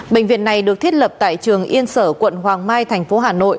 bệnh viện này được thiết lập tại trường yên sở quận hoàng mai thành phố hà nội